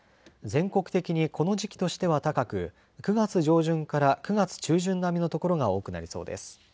全国的にこの時期としては高く９月上旬から９月中旬並みの所が多くなりそうです。